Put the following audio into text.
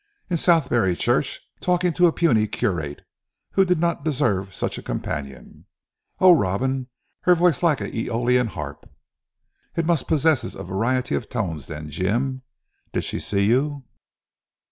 "In Southberry Church, talking to a puny curate, who did not deserve such a companion. Oh, Robin, her voice! like an Eolian harp." "It must possess a variety of tones then Jim. Did she see you?"